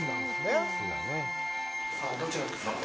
さあ、どちらですか。